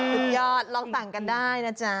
สุดยอดลองสั่งกันได้นะจ๊ะ